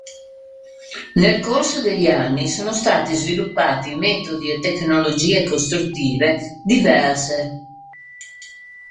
Nel corso degli anni sono stati sviluppati metodi e tecnologie costruttive diverse.